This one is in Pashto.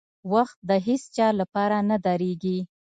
• وخت د هیڅ چا لپاره نه درېږي.